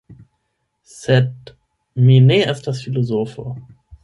Sed mi ne estas filozofo.